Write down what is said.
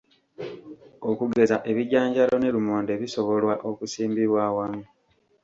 Okugeza ebijanjaalo ne lumonde bisobolwa okusimbibwa awamu.